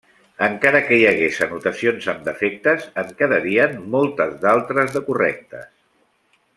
Encara que hi hagués anotacions amb defectes, en quedarien moltes d'altres de correctes.